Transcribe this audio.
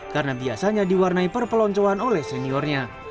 karena biasanya diwarnai perpeloncoan oleh seniornya